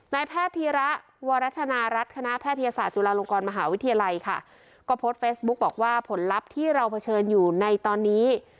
นายแพทย์พีระวรัฒนารัฐคณะแพทยศาสตุลาลงกรมหาวิทยาลัยค่ะก็โพสต์เฟซบุ๊กบอกว่าผลลัพธ์ที่เราเผชิญอยู่ในตอนนี้